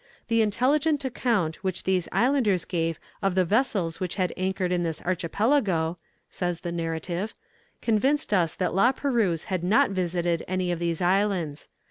"The intelligent account which these islanders gave of the vessels which had anchored in this archipelago," says the narrative, "convinced us that La Perouse had not visited any of these islands.